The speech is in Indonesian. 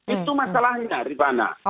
itu masalahnya rivana